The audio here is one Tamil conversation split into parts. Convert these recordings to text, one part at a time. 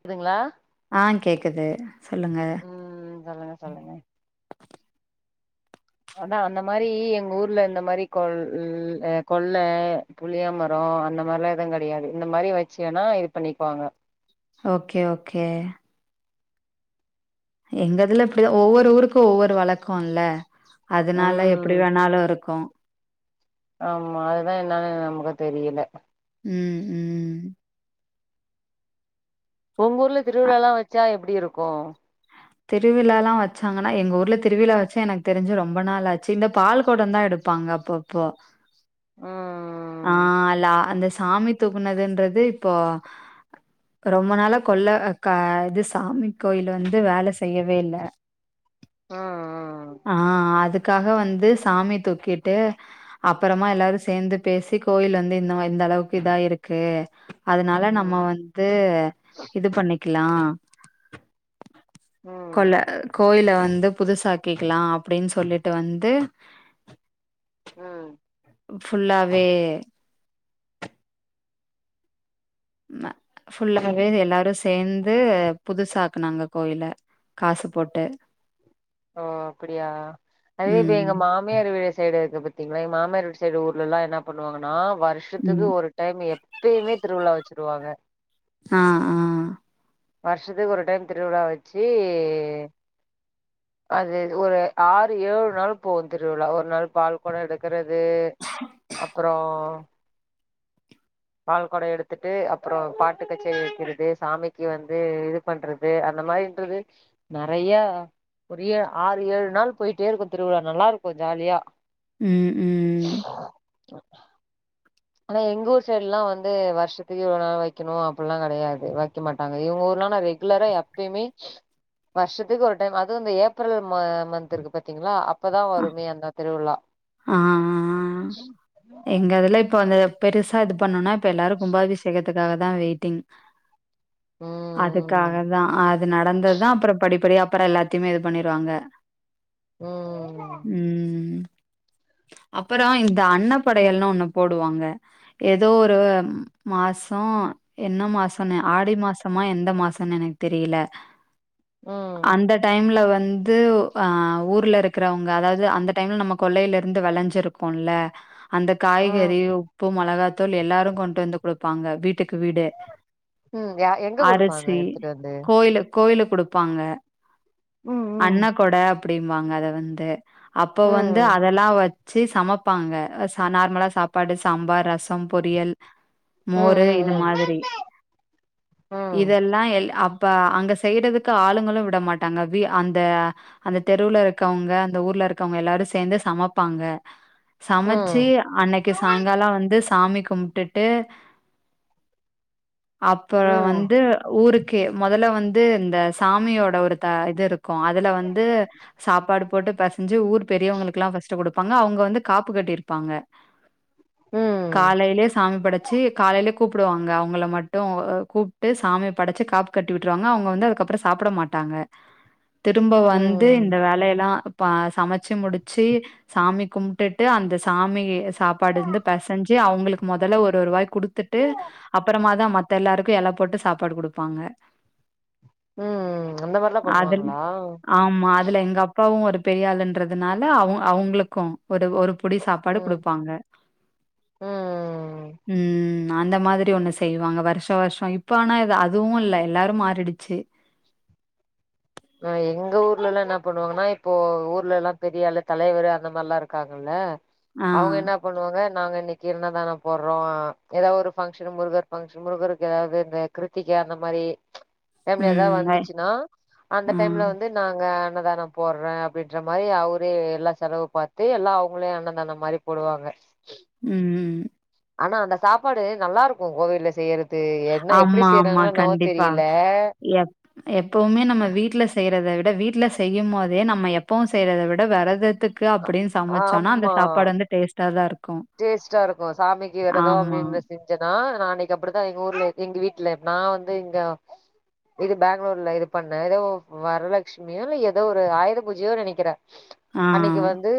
கேக்துங்களா ஆ கேக்குது சொல்லுங்க உம் சொல்லுங்க சொல்லுங்க அதா அந்த மாரி எங்க ஊர்ல அந்த மாரி கொல் கொல்ல புளிய மரோ அந்த மாரிலா எதுவு கெடையாது இந்த மாரி வேச்சுவேனா இது பண்ணிக்குவாங்க ஓகே ஓகே எங்கதுல இப்டிதா ஒவ்வொரு ஊருக்கு ஒவ்வொரு வழக்கோ இல்ல அதனால எப்டி ம் வேணாலு இருக்கு ஆமா அதுதா என்னான்னு நமக்கு தெரியல ம் ம் ஒங்கூர்ல திருவிழாலா வச்சா எப்டி இருக்கு திருவிழாலா வச்சாங்கன்னா எங்க ஊர்ல திருவிழா வச்சு எனக் தெரிஞ்சு ரொம்ப நாளா ஆச்சு இந்த பால்கொடோ தா எடுப் பாங்க அப்பப்போ ம் ஆ ல்லா அந்த சாமி தூக்குனதுன்றது இப்போ ரொம்ப நாள கொல்ல இது சாமி கோயில் வந்து வேல செய்யவே இல்ல ம் ஆ அதுக்காக வந்து சாமி தூக்கிட்டு அப்பறமா எல்லாரு சேந்து பேசி கோயில் வந்து இந்த இந்த அளவுக்கு இதா இருக்கு அதுனால நம்ம ம் வந்து இது பண்ணிக்கலா கொல்ல ம் கோயில வந்து புதுசாக்கிக்கலா அப்டின்னு சொல்லிட்டு வந்து ம் ஃபுல்லாவே ம ஃபுல்லாவே எல்லாரு சேர்ந்து புதுசாக்குனாங்க கோயில காசு போட்டு ஓ அப்புடியா அதே இப்ப ம் எங்க மா மியார் வீடு சைடு இருக்கு பாத்தீங்களா மாமியார் வீட்டு சைடு ஊர்ல எல்லா என்ன பண்ணுவாங்கன்னா வர்ஷத்துக்கு ம் ஒரு டைம் எப்பயுமே திருவிழா வச்சிருவாங்க ஆ ஆ வருஷத்துக்கு ஒரு டைம் திருவிழா வெச்சு அது ஒரு ஆறு ஏழு நாள் போவும் திருவிழா ஒரு நாள் பால் கொடோ எடுக்குறது அப்றோம் பால்கொடோ எடுத்துட்டு அப்றோம் பாட்டு கச்சேரி வெக்கிறது சாமிக்கு வந்து இது பண்றது அந்த மாரின்றது நறையா ஒரு ஏ ஆறு ஏழு நாள் போயிட்டே இருக்கும் திருவிழா நல்லா இருக்கு ஜாலியா ம் ம் ஆனா எங்க ஊர் சைடுலாம் வந்து வருஷத்துக்கு இவ்ளோ நாள் வைக்கணொ அப்பல்லாம் கடையாது வெக்க மாட்டாங்க இவங்க ஊர் எல்லா நா ரெ ரெகுலரா எப்பயுமே வருஷத்துக்கு ஒரு டைம் அதுவும் இந்த ஏப்ரல் மந்த் இருக்கும் பாத்தீங்களா அப்பதான் ஆ வருமே அந்த திருவிழா எங்கதுல இப்ப வந்து பெருசா இது பண்ணும்னா இப்ப எல்லாரு கும்பாபிஷேகத்துக்காக தான் வெயிட்டிங் ம் அதுக்காக தான் அது நடந்ததுதான் அப்றோ படிப்படியா அப்புறோம் எல்லாத் திமே இது பண்ணிருவாங்க ம் ம் அப்பறோம் இந்த அன்ன படையல்னு ஒண்ணு போடுவாங்க ஏதோ ஒரு மாசோம் என்ன மாசன்னு ஆடி மாசமா எந்த மாசோன்னு எனக்கு தெரியல ம் அந்த டைம்ல வந்து அ ஊர்ல இருக்குறவங்க அதாவது அந்த டைம்ல நம்ம கொள்ளையில இருந்து விளஞ்சிருக் க்குல அந்த ம் காய்கறி உப்பு மோளகாத்தூள் எல்லாரும் கொண்டு வந்து குடுப்பாங்க விட் விட்டுக்கு வீடு ம் யா எங்க குடுப்பாங்க அரிசி எடுத்துட்டு வந்து கோயிலுக் கோயிலுக் குடுப்பாங்க ம் ம் அண்ண கொட அப்பிடிம்பாங்க அத வந்து அப்ப வந்து ம் அதெல்லா வச்சு சமப்பாங்க அ நார்மலா சாப்பாடு சாம்பார் ரசம் பொரியல் ம் மோரு இது ம் மாதிரி ம் இதெல்லா எல் அப் இப்ப அங்க செய்யறதுக்கு ஆளுங்களும் விட மாட்டாங்க வி அந்த அந்த தெருவுல இருக்கவொங்க அந்த ஊர்ல இருக்கவங்க எல்லாரும் சேந்து சமப்பாங்க சமச் ம் அன்னைக்கு சாய்ங்காலோ வந்து சாமி கும்‌‍ட்டுட்டு அப்ப ம் வந்து ஊருக்கு மொதல்ல வந்து இந்த சாமியோட ஒரு த இது இருக்கு க்கோம் அதுல வந்து சாப்பாடு போட்டு பெச ஞ்சு ஊர் பெரியவங்களுக்கு எல்லாம் ஃபஸ்ட் குடுப்பாங்க அவங்க வந்து காப்பு கட்டியிருப்பாங்க ம் காலையிலயே சாமி படச்சு காலையிலே கு கூப்புடுவாங்க அவங்கள மட்டும் கூப்ட்டு சாமி படச்சி காப்பு கட்டி விட்டுருவாங்க அவங்க வந்து அதுக்கப்புறோம் சாப்பட மாட்டாங்க திரும்ப வந்து ம் இந்த வேலையெல்லாம் ப சமச்சு முடிச்சு சாமி கும்ட்டுட்டு அந்த ஸ் சாமி சாப்பாடு இருந்து பேசஞ்சு அவுங்களுக்கு மொதல்ல ஒரு ஒரு‌ வாய் குடுத்துட்டு அப்பறமாதா மத்த எல்லாருக்கும் எல போட்டு சாப்பாடு குடுப்பாங்க ம் ம் அந்த மாரிலா அதுல பண்ணுவாங்களா ஆமா அதுல எங்க அப்பாவும் ஒரு பெரியாலுனுன்றதுனால அவ அவுங்ளுக்கும் ஒரு ஒரு புடி சாப்பாடு ம் குடுப்பாங்க ம் உம் அந்த மாரி ஒண்ணு செய்வாங்க வருஷ வருஷோ இப்ப ஆனா அதுவு இல்ல எல்லாரு மாறிடுச்சு ஹ் எங்க ஊர்லல்லா என்ன பண்ணுவாங்கன்னா இப்போ ஊர்லல்லா பெரியாலு தலைவரு அந்த மாரில்லா இருக்காங்கல்ல ஆ. அவுங்க என்னப் பண்ணுவாங்க நாங்க இன்னக்கி அன்னதானோ போர்றோ எதாவொரு ஃபங்க்ஷன் முருகர் ஃபங்கஷன் முருகருக்கு எதாவ்து கிருத்திக அந்த மாரி டைம்ல ஏதா ம். வை வந்துசுனா அந்த ஆ. டைம்ல வந்து நாங்க அன்னதானோ போர்றே அப்டின்ற மாரி அவுரே எல்லா செலவு பாத்து எல்லா அவுங்களே அன்னதானோ மாரி போடுவாங்க உம் ஆனா அந்த சாப்பாடு நல்லா இருக்கு கோவில்ல செய்யுறது இது என்ன எப்டி ஆமா, ஆமா. செய்றாங்களோ என்னவோ கண்டிப்பா. தெரியல எப் எப்பவுமே நம்ம வீட்ல செய்யறத விட வீட்ல செய்யுமோதே நம்ம எப்பவு செய்யறத விட வெரதத்துக் கு அ அப்டினு சமச்சோனா அந்த ஆமா சாப்பாடு வந்து டேஸ்ட்டா தா இருக்கு டேஸ்ட்டா இருக்கு சாமிக்கு வெரதோ அப்டினு செஞ்சனா நா அன்னக்கி அப்டிதா எங்க ஊர்ல எங்க வீட்டுல நா வந்து இங்க இது பெங்களூர்ல இது பண்ணே எதோ வரலட்ச் மியோ எதோ ஒரு ஆயுத பூஜையோ நெனக்கிறே ஆ. அன்னக்கி வந்து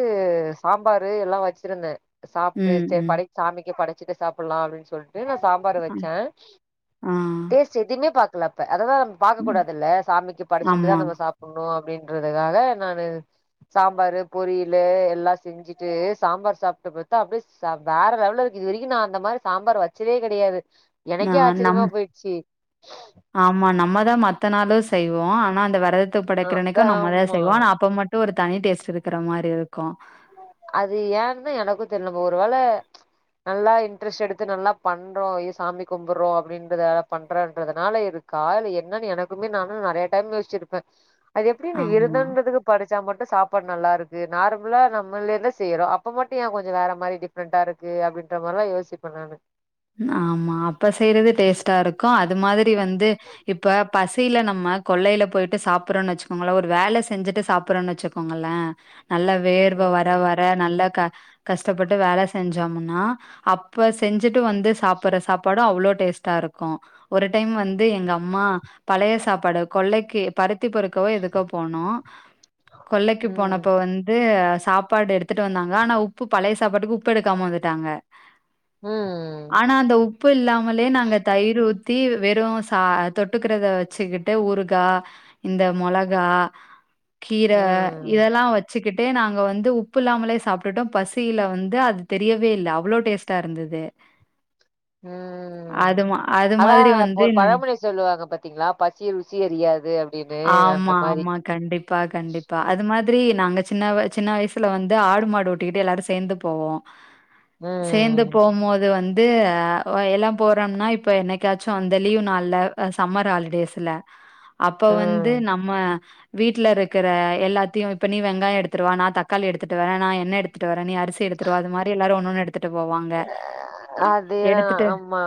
சாம்பாரு எல்லா வச்சிருந்தே சாப்ட்டு ம், சேரி ம். படை சாமிக்கு படச்சிட்டு சாப்புலா அப்டினு சொல்ட்டு நா சாம்பாரு அ வச்சே ஆ. டேஸ் எதுமே பாக்கல அப்ப அத தா நம்ம பாக்க ம். கூடாதுல்ல சாமிக்கு படச்சுட்டுதா ஆமா. நம்ம சாப் பண்ணுவோ அப்டின்றதுக்காக நானு சாம்பாரு பொரியலு எல்லா செஞ்சுட்டு சாம்பார் சாப்ட்டு பாத் அப்டி செம்மவேற லெவல்ல இருக்கு இது வரைக்கு நா அந்த மாரி சாம்பார் வச்சதே கெடயாது நா எனக்கே நம் ஆச்ரியமா போய்ச்சு ஆமா நம்ம தா மத்த நாளு செய்வோ ஆனா அந்த விரதத்த ஆ படைக்கிறனக்கி நம்ம தா ஆமா செய்வோ ஆனா அப்ப மட் ஒரு தனி டேஸ்ட்டு இருக்ற மாரி இருக்கு அது ஏன்னு எனக்கு தெர்ல ஒரு வேல நல்லா இன்ட்ரெஸ்ட் எடுத்து நல்லா பண்றோ ஐயோ சாமி கும்புப்றோ அப்டின்றதால பண்றன்றதுனால இருக் கா இல்ல என்னன்னு எனக்குமே நானு நெறைய டைம் யோசிச்சிருப்பே அது எப்டி ஆமா இருதுன்றதுக்கு படச்சா மட்டு சாப்பாடு நல்லா இருக்கு நார்ம ஃபுல்லா நம்மலேதா செய்றோ அப்ப மட்டு ஏ கொஞ்சோ வேற மாரி டிஃபரண்டா இருக்கு அப்படின்ற மாரில்லா யோசிப்பே நானு ஆமா அப்ப செய்யறது டேஸ்ட்டா இருக்கு அது மாதிரி வந்து இப்ப பசில நம்ம கொள்ளயில போய்ட்டு சாப்புறோனு வச்சுக்கோங்களே ஒரு வேல செஞ்சுட்டு சாப்புறோனு வச்சுக்கோங்களே நல்ல வேர்வ வர ம் வ நல்ல க கஷ்டப்பட்டு வேல செஞ்சோம்னா அப்ப செஞ்சுட் ட்டு வந்து சாப்புற சாப்பாடு அவ்ளோ டேஸ்ட்டா இருக்கு ஒரு டைம் வந்து எங்க அம்மா பழய சாப்பாட கொள்ளக்கி பருத்தி பொருக்கவோ எதுக்கோ போனோ கொள்ளக்கி போனப்ப ம் வந்து சாப் சாப்பாடு எடுத்துட்டு வந்தாங்க ஆனா உப்பு பழய சாப்பாட்டுக்கு உப்பு எடுக்காம வந்துட்டாங்க உம் ஆனா அந்த உப்பு இல்லாமலே நாங்க தயிரு ஊத் தீ வெறு சா தொட்டுக்கிறத வச்சுக்கிட்டு ஊறுகா இந்த மொளகா கீர ம் இதெல்லா வச்சுக்கிட்டே நாங்க வந்து உப்பு இல்லாமலே சாப்ட்டுட்டோ பசியில வந்து அது தெரியவே இல்ல அவ்ளோ டேஸ்ட்டா இருந்தது ம் அதுமா அதா இப்ப ஒரு பழமொழி சொல்லுவாங்க பாத்தீங்ளா பசி ருசி அறியாது அப்டினு அந்த ஆமா, மாரி ஆமா. கண்டிப்பா கண்டிப்பா அது மாத்ரி நாங்க சின்னவ சின்ன வய்சுல வந்து ஆடு மாடு ஓட்டிக்கிட்டு எல்லாரு சேந்து போவோ ம் சேந்து போம்மோத் து வந்து அ வ எல்லா போறோம்னா இப்போ என்னைக்காச்சு அந்த லீவ் நாள்ல சம்மர் ஹாலிடேஸ்ல அப்ப வந்து ம் நம்ம வீட்ல இருக்கிற எல்லாத்யு இப்ப நீ வெங்காய எடுத்துருவா நா தக்காளி எடுத்துட்டு வர நா என்ன எடுத் ட்டு வர நீ அரிசி எடுத்துருவா அது மாரி எல்லாரு ஒன்னு ஒன்னு எடுத்துட்டு போவாங் அதேதா ஆமா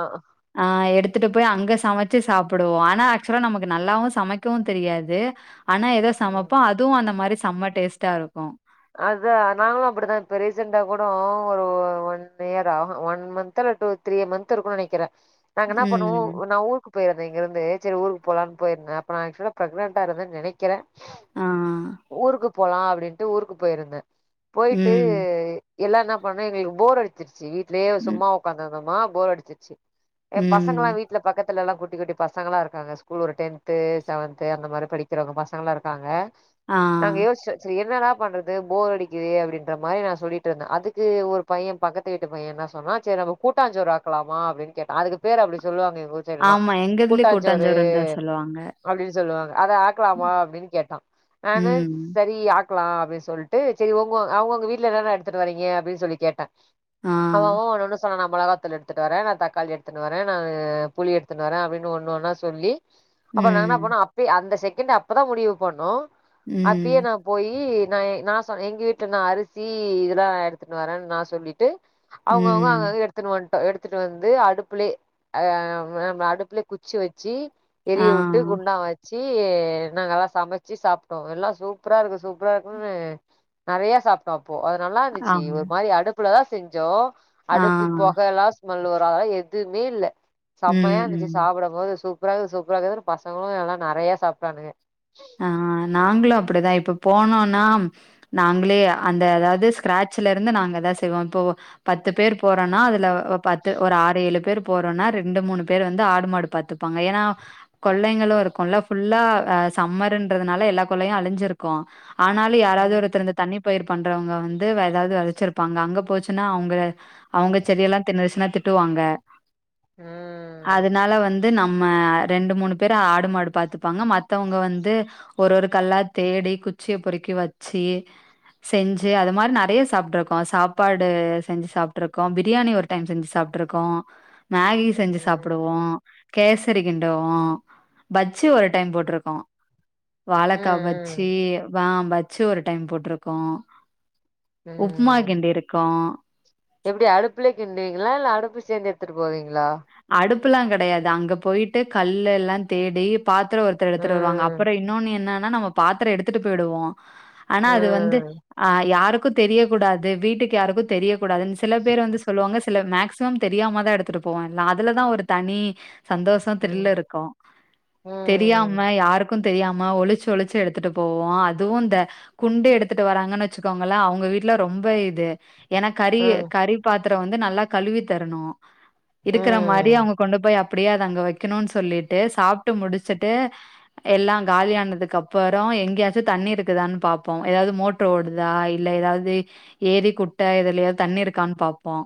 ஆ எடுத்துட்டு போய் அங்க சமச்சு சாப்புடுவோ ஆனா ஆக்சுவலா நமக்கு நல்லாவு சமக்கவு தெரியாது ஆனா எதோ ம் சமப்போ அதுவு அந்த மாரி சம்ம டேஸ்ட்டா இருக்கு அத நாங்களு அப்புடிதா இப்ப ரீசண்ட்டா கூடோ ஒரு ஒன் இயரா அவ ஒன் மன்த்தல டூ த்ரீ மன்த் இருக்குனு நனக்கிற நாங்க இன்னா ம். பண்ணுவோ நா ஊருக் போயிருந்த இங்கருந்து செரி ஊருக்கு போலானு போயிருந்த அப்ப நா ஆக்சுவலா ப்ரெக்னட்டா இருந்த நெனக்கிற அ அ ஊருக்கு போலா அப்டின்ட்டு ஊருக்கு போயிருந்த போயிட்டு ம். எல்லா என்ன பண்ணோ எங்ளுக்கு போர் அடிச்சிருச்சு வீட்டுலயே ம். சும்மா உக்காந்திருந்தமா போர் அடிச்சிருச்சு ஏ பசங்ல்லா ம். வீட் இல்ல பக்கத்துலல்லா குட்டி குட்டி பசங்களா இருக்காங்க ஸ்கூல் ஒரு டென்து செவன்து அந்த மாரி படிக்கிறவ்ங்க பசங்களா இருக்காங்க ஆ. நாங்க யோஸ்ச்சு செரி என்னடா பண்றது போர் அடிக்குதே அப்டின்றமாரி நா சொல்லிட்ருந்த அதுக்கு ஒரு பைய பக்கத் த்து வீட்டு பைய என்ன சொன்னா செர் நம்ப கூட்டாஞ்சோரு ஆக்கலாமா அப்டின் கேட்ட அதுக்கு பேர் அப்டி சொல்லுவாங்க எங் ஊர் சைடலா ஆமா, எங்க இதுலயும் கூட்டாச்சரு கூட்டாஞ்சோறுன்னு தான் சொல்லுவாங்க. அப்டின்னு சொல்லுவாங்க அத ஆக்கலாமா அப்டின் கேட்டா ஆன ம். சே ரி ஆக்லா அப்டின் சொல்ட்டு செரி ஒங்கோ அவ்ங்கவ்ங்கோ வீட்ல என்னன்ன எட்த்துட்டு வரீங்க அப்டின் சொல்லி கேட்ட ஆ. அவ அவ ஒன்னு சொன்ன நா மொளகத்தூள் எடுத் துட்டு வர நா தக்காளி எடுத்துனு வர நா புளி எடுத்துனு வர அப்டின் ஒன்னு ஒன்னா சொல்லி அப்பற நாங் என்னா ம். பண்ணோ அப்பி அந்த செக்கேண் அப்பதா முடிவு பண்ணோ அப்பியே ம். நா போயி நாயி நா சொன் எங்க வீட்ல நா அரிசி இதுல்லா எடுத்துட் வரன் நா சொல்லிட்டு அவுங்க ம். அவுங்க எடுத் துன்வன்டோ எடுத்துட்டு வந்து அடுப்புலே அ நம்ம அடுப்புலே குச்சி வச்சி ஆ. எரிய உட்டு குண்டா வச்சு நாங்கல்லா சமச்சி சாப் டோ எல்லா சூப்ரா இருக்கு சூப்ரா இருக்குன்னு நறையா சாப்ட்டோ அப்போ அது நல்லா துச்சி ஆம். ஒரு மாரி அடுப்புலதா செஞ்சோ ஆ. அடுப்பு பொகல்லா ஸ்மல்லு வரு அதல்லா எதுமே இல்ல சமையா ம். இருந்துச்சு ம். சாப்படமோது சுப் சூப்பராகுது சூப்பராகுதுன் பசங்ளு எல்லா நறையா சாப்ட்டானுங்க ஆ நாங்ளு அப்புடிதா இப்போ போனோனா நாங்ளே அந்த அதாவ்து ஸ்க்ராட்சில இருந்து நாங்கதா செய்வோ இப்போ பத்து பேர் போறோனா அதுல பத்து ஒரு ஆறு ஏழு பேர் போறோன்னா ரெண்டு மூணு பேர் வந்து ஆடு மாடு பாத்துப்பாங்க ஏனா கொள்ளைங்களு இருக்குல்ல ஃபுல்லா அ சம்மருன்றதுனால எல்லா கொள்ளையு அழிஞ்சிருக்கு ஆனாலு யாராவுது ம் ஒருத்தர் இந்த தண்ணி பயிர் பண்றவங்க வந்து வெதாவ்து வெதச்சிருப்பாங்க அங்க போச்சுன்னா அவுங்க அவுங்க செடியெல்லா தின்னுருசினா திட்டுவாங்க ம் அதனால வந்து நம்ம ரெண்டு மூணு பேரு ஆடு மாடு பாத்துப்பாங்க மத் தவங்க வந்து ஒரு ஒரு கல்லா தேடி குச்சிய பொறிக்கி வச்சி செஞ்சு அது மாரி நெறைய சாப்ட்டு இருக்கோ சாப்பாடு செஞ்சு சாப்ட்டுருக்கோ பிரியாணி ஒரு டைம் செஞ்சு சாப்ட்ருக்கோ மேகி செஞ்சு சாப்பிடுவோ ம் கேசரி கிண்டுவோ பஜ்ஜி ஒரு டைம் போட்ருக் வாழக்கா ம் வச்சு ம் வாம்பச் ச்சு ஒரு டைம் போட்ருக்கோ உப்மா ம் கிண்டி இருக்கோ எப்டி அடுப்புலே கிண்டுவீங்ளா இல்ல அடுப்பு சேந்து எடுத்துட்டு போவீங்ளா அடுப்புல்லா கெடயாது அங்க போயிட்டு கல்ல எல்லாம் தேடி பாத்தரோ ஒருத்தர் எத்துட்டு வருவாங்க ம் அப்புறம் இன்னொன்னு என்னன்னா நாங்க பாத்தரோ எடுத்துட்டு போயிடுவோ ஆனா அது வந்து ம் அ யாருக்கு தெரிய கூடாது வீட்டுக்கு யாருக்கு தெரிய கூடாதுன் சில பேர் வந்து சொல்லுவாங்க சிலர் மேக்சிமம் தெரியாம தா எடுத்துட்டு போவ எல்லா அதுலதா ஒரு தனி சந்தோஷம் ம் த்ரில் இருக்கு ம் தெரியாம யாருக்கும் தெரியாம ஒளிச்சு ஒளிச்சு எடுத்துட்டு போவு அதுவு இந்த குண்டு எடுத்துட்டு வராங்கன் வச்சுக்கோங்கள அவங்க வீட்ல ரொம்ப இது ஏன்னா கறியே ம் கறி பாத்திரம் வந்து நல்லா கழுவி தரணு இருக்கிற மாரி ம் அவங்க கொண்டு போய் அப்படியே அது அங்க வெக்கணு சொல்லிட்டு சாப்ட்டு முடிச்சுட்டு எல்லாம் காலியானதுக்கு அப்புறம் எங்கேயாச்சும் தண்ணி இருக்குதான்னு பாப்போ எதாவ்து மோட் ட்ரு ஓடுதா இல்ல எதாவ்து ஏரி குட்ட எதுலயாவ் தண்ணி இருக்கான் பாப்போ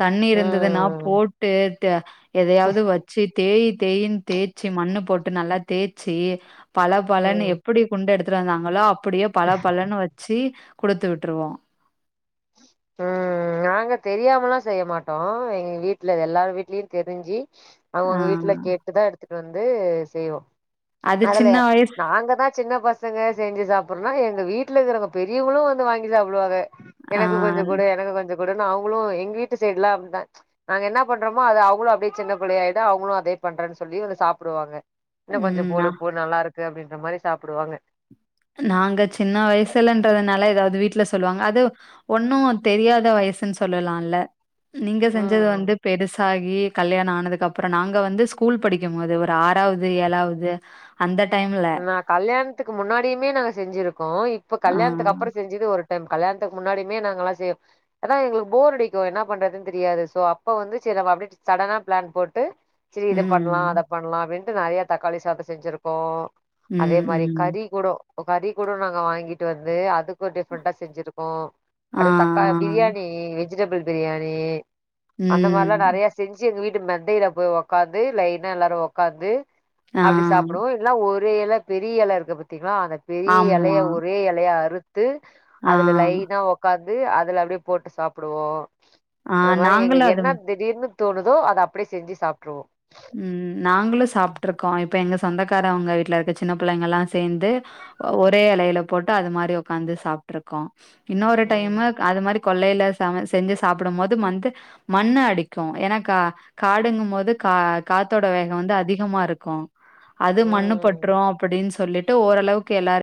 தண்ணி இருந்ததுன்னா ம் போட்டு ஏட்டு எதையாவ்து வச்சு தேய் தேயின் தேய்ச்சி மண்ணு போட்டு நல்லா தேய்ச்சு பள பளன்னு ம் எப்பிடி குண்டு எடுத்துட்டு வந்தாங்களோ அப்படியே பள பளன்னு வச்சு குடுத்து விட்ருவோ ம் நாங்க தெரியாமல்லா செய்ய மாட்டோ எங்க வீட்ல எல்லார் வீட்லயும் தெரிஞ்சு ஆ அவுங்கவுங்க வீட்ல கேட்டு தா எடுத்துட்டு வந்து செய்வோ அது மொதல்ல சின்ன வயசு நாங்கதா சின்ன பஸ் சங்க செஞ்சு சாப்பிறனா எங்க வீட்ல இருக்கிறவங்க பெரியவங்களும் வந்து வாங்கி சாப்டுவாங்க ஆ எனக்கு கொஞ்சோ குடு எனக்கு கொஞ்சோ குடுன் அவங்களு எங்க வீட்டு சைடுலா அப் தா நாங்க என்ன பண்றோமோ அது அவங்களு அப்டியே சின்ன புள்ளையா ஆய்ட்டு அவங்களு அதே பண்றேன் சொல்லி வந்து சாப்பிடுவாங்க இன்னும் கொஞ்சம் ம் போடு நா- போடு நல்லா இருக்கு அப்படின்ற மாரி சாப்பிடுவாங்க நாங்க சின்ன வயசுலன்றதுனால எதாவ்து வீட்ல சொல்லுவாங்க அது ஒன்னும் தெரியாத வயசுன்னு சொல்லலால நீங்க செஞ்சது ம் வந்து பெருசாகி கல்யாணம் ஆனதுக்கு அப்புறோ நாங்க வந்து ஸ்கூல் படிக்கும் போது ஒரு ஆறாவ்து ஏழாவ்து அந்த டைம்ல நா கல்யாண்த்துக்கு முன்னாடியுமே நாங்க செஞ்சிருக்கோ இப்ப ஆ. கல்யாண்த்துக்கு அப்புறோ செஞ்சது ஒரு டம் கல்யாண்த்துக்கு முன்னாடியுமே நாங்க எல்லா செய் அதா எங்களுக்கு போர் அடிக்கும் என்ன பண்றதுன் தெரியாது சோ அப்ப வந்து சரி நம்ம அப்டே சடனா பிளான் போட்டு சரி இத பண்லா அத ம். பண்லா அப்டின்ட்டு நெறைய தக்காளி சாதோ செஞ்சிருக்கோ அதே ம், மாரி ம். கறி கூடோ கறி கூடோ நாங்க வாங்கிட்டு வந்து அதுக்கு டிஃப்ரெண்ட்டா செஞ்சுருக்கோ ஆ, அப்டே தக் கா ஆ. பிரியாணி வெஜிடேபிள் பிரியாணி அந்த மாரிலா ம். நெறைய செஞ்சு எங்க வீட்டு மெத்தையில போய் ஒக்காந்து லைன்னா எல்லாரு ஒக்காந்து ஆ. அப்டி சாப்டுவோ இல்னா ஒரு எல பெரிய எல இருக்கு பாத்தீங்ளா அந்த பெரிய ஆமா. எலய ஒரே எலயா அறுத் து ஆ. அதுல லைனா உக்காந்து அதுல அப்டியே போட்டு சாப்பிடுவோ ஆ அந்த மாதிரி நாங்களும் எங்களுக்கு அது என்ன திடீர்னு தோணுதோ அத அப்டியே செஞ்சு சாப்டுருவோ ம் நாங்களு சாப்பிட்டு இருக்கோ இப்ப எங்க சொந்தக்கார அவுங்க வீட்டுல இருக்க சின்ன பிள்ளைங்க எல்லா சேந்து ஒ ஒரே எலையில போட்டு அது மாதிரி உக்காந்து சாப் ட்டுருக்கோ இன்னொரு டைமு ம் அது மாரி கொள்ளையில சம செஞ்சு சாப்பிடும் போது வந்து மண்ணு அடிக்கு ஏன்னா கா காடுங்கும் போது கா காத்தோட வேகவந்து அதிகமா இருக்கு அது மண்ணு ம் பற்று அப்டின்னு சொல்லிட்டு ஓரளவுக்கு எல்லாரு